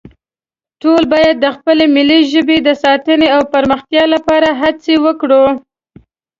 ټول باید د خپلې ملي ژبې د ساتنې او پرمختیا لپاره هڅې وکړو